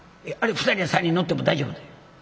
「あれ２人や３人乗っても大丈夫で」。